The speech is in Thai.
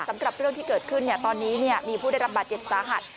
สำหรับเรื่องที่เกิดขึ้นตอนนี้มีผู้ได้รับบาดเจ็บสาหัส